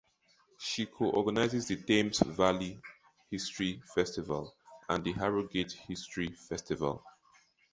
She co-organises the Thames Valley History Festival and the Harrogate History Festival.